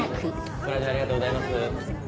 ご来場ありがとうございます。